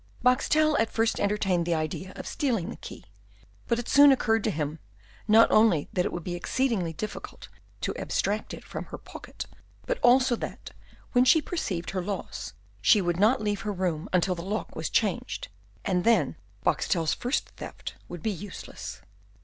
Boxtel at first entertained an idea of stealing the key, but it soon occurred to him, not only that it would be exceedingly difficult to abstract it from her pocket, but also that, when she perceived her loss, she would not leave her room until the lock was changed, and then Boxtel's first theft would be useless.